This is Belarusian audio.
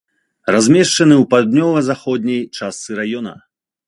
Размешчаны ў паўднёва-заходняй частцы раёна.